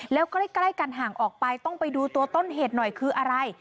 แล้วก็ใกล้กันห่างออกไปต้องไปดูตัวต้นเหตุหน่อยคืออะไร